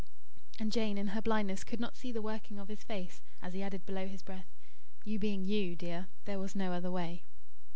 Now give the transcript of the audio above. And Jane in her blindness could not see the working of his face, as he added below his breath: "You being YOU, dear, there was no other way."